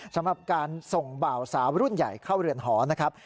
สำหรับการส่งบ่าวสาวรุ่นใหญ่เข้าเรือนหอนะครับ